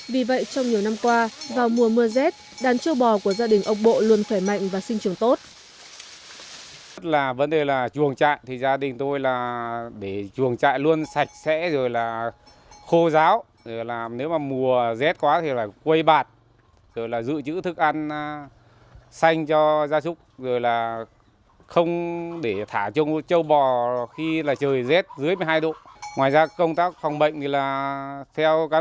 vì vậy trong nhiều năm qua vào mùa mưa rét đàn châu bò của gia đình ông bộ luôn khỏe mạnh và sinh trường tốt